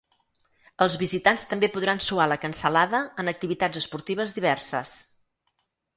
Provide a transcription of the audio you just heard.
Els visitants també podran suar la cansalada en activitats esportives diverses.